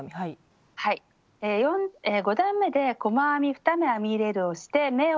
５段めで細編み２目編み入れるをして目を増やします。